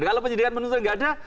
kalau penyidikan menuntut nggak ada